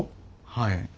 はい。